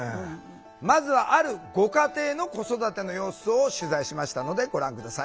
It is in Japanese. まずはあるご家庭の子育ての様子を取材しましたのでご覧下さい。